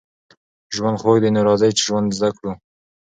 ژوند خوږ دی نو راځئ چې ژوند زده کړو